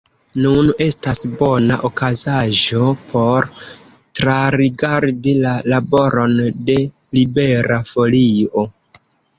Nun estas bona okazaĵo por trarigardi la laboron de Libera Folio.